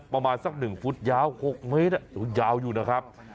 ประมาณสัก๑ฟุตยาว๖เมตรยาวอยู่นะครับ